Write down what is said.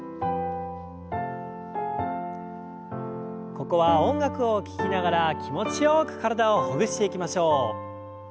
ここは音楽を聞きながら気持ちよく体をほぐしていきましょう。